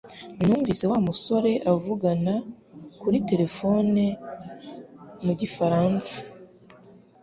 Numvise Wa musore avugana kuri terefone mu gifaransa